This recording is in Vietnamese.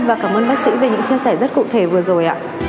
và cảm ơn bác sĩ về những chia sẻ rất cụ thể vừa rồi ạ